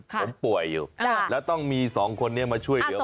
ผมป่วยอยู่แล้วต้องมีสองคนนี้มาช่วยเหลือ